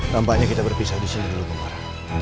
nampaknya kita berpisah di sini dulu gemar